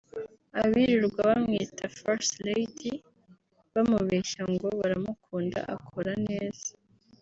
Abirirwa bamwita First Lady bamubeshya ngo baramukunda akora neza